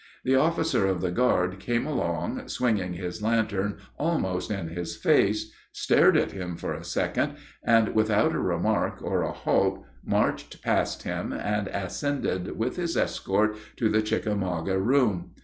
The officer of the guard came along, swinging his lantern almost in his face, stared at him for a second, and without a remark or a halt marched past him and ascended with his escort to the Chickamauga room.